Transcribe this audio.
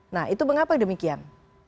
nah itu mengapa demikian